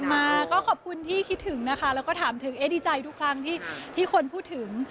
มาก็ขอบคุณที่คิดถึงนะคะแล้วก็ถามถึงเอ๊ดีใจทุกครั้งที่คนพูดถึง